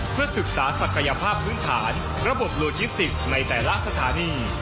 เพื่อศึกษาศักยภาพพื้นฐานระบบโลจิสติกในแต่ละสถานี